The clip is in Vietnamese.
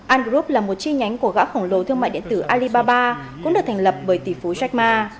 ungroup là một chi nhánh của gã khổng lồ thương mại điện tử alibaba cũng được thành lập bởi tỷ phú jack ma